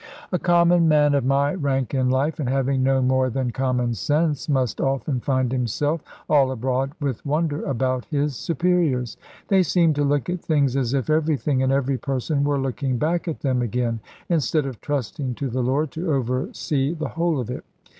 A common man of my rank in life, and having no more than common sense, must often find himself all abroad with wonder about his superiors. They seem to look at things as if everything and every person were looking back at them again, instead of trusting to the Lord to oversee the whole of it.